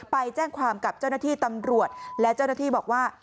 ไปแจ้งความกับเจ้าหน้าที่ตำรวจและเจ้าหน้าที่บอกว่า